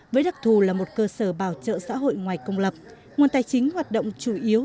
với đặc thù là một cơ sở bảo trợ xã hội ngoài công lập nguồn tài chính hoạt động chủ yếu